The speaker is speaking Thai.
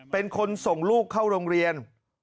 เป็นคนส่งลูกเข้าโรงเรียน